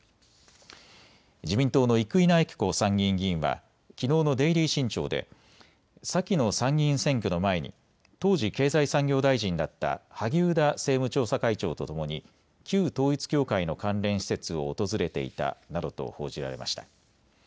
自民党の生稲晃子参議院議員はきのうのデイリー新潮で先の参議院選挙の前に当時、経済産業大臣だった萩生田政務調査会長とともに旧統一教会の関連施設を訪れていたなどと報じられました。